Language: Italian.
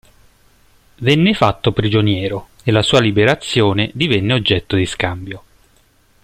Venne fatto prigioniero e la sua liberazione divenne oggetto di scambio.